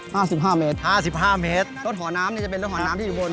ห้าสิบห้าเมตรห้าสิบห้าเมตรรถห่อน้ำเนี้ยจะเป็นรถห่อน้ำที่อยู่บน